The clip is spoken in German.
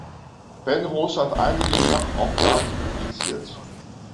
Penrose hat einige Schachaufgaben publiziert.